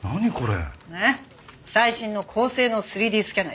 最新の高性能３Ｄスキャナーよ。